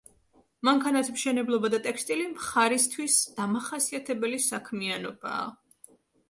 მანქანათმშენებლობა და ტექსტილი მხარისთვის დამახასიათებელი საქმიანობაა.